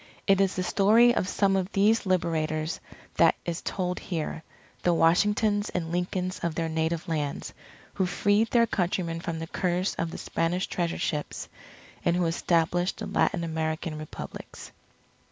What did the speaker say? It is the story of some of these Liberators that is told here, the Washingtons and Lincolns of their native lands, who freed their countrymen from the curse of the Spanish Treasure Ships, and who established the Latin American Republics.